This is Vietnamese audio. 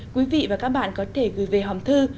quý vị và các bạn có thể gửi về hòm thư